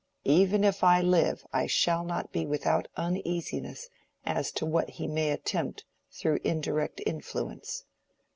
Even if I live I shall not be without uneasiness as to what he may attempt through indirect influence.